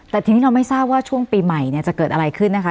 แต่ทีนี้เราไม่ทราบว่าช่วงปีใหม่เนี่ยจะเกิดอะไรขึ้นนะคะ